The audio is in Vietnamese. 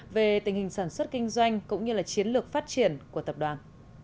về tình hình sản xuất kinh doanh cũng như chiến lược phát triển của tập đoàn